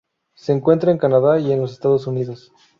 Se encuentra en Canadá y en los Estados Unidos.